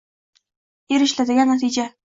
erishiladigan natija.